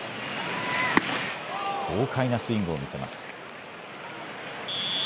豪快なスイングを見せます。